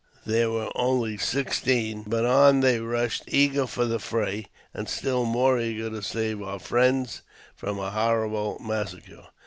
There were only sixteen, but on they rushed, eager for the ,fray, and still more eager to save our friends from a horrible massacre.